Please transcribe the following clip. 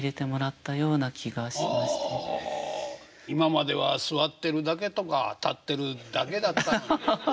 今までは座ってるだけとか立ってるだけだったのに。